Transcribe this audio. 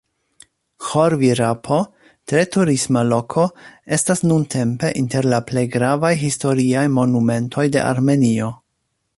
Ĥor-Virapo, tre turisma loko, estas nuntempe inter la plej gravaj historiaj monumentoj de Armenio.